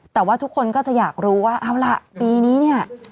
แต่ว่าทุกคนก็จะอยากรู้ว่าเอาล่ะปีนี้เนี่ย